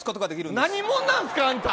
何者なんですか、あんた。